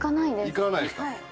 行かないですか。